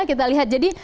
kita lihat jadi